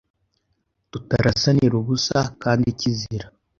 tutarasanira ubusa.kandi kizira